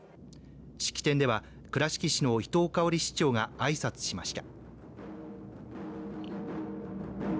式典では倉敷市の伊東香織市長があいさつしました。